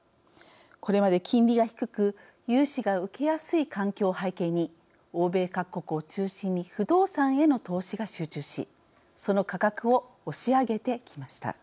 これまで金利が低く融資が受けやすい環境を背景に欧米各国を中心に不動産への投資が集中しその価格を押し上げてきました。